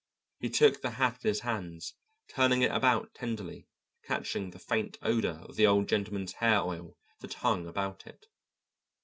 He took the hat in his hands, turning it about tenderly, catching the faint odour of the Old Gentleman's hair oil that hung about it.